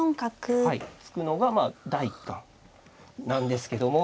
はい突くのが第一感なんですけども。